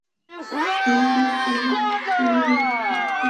আমাদের চেহারা ছাড়া বাকী সবকিছু পরিবর্তন হয়ে গেছে।